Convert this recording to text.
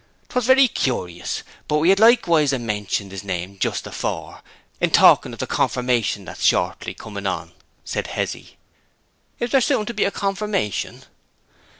''Twas very curious; but we had likewise a mentioned his name just afore, in talking of the confirmation that's shortly coming on,' said Hezzy. 'Is there soon to be a confirmation?'